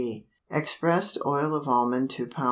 Expressed oil of almond 2 lb.